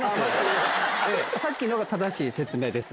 さっきのが正しい説明です。